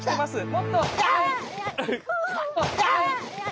もっと。